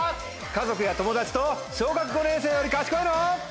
家族や友達と小学５年生より賢いの？